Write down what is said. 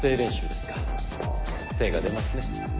精が出ますね。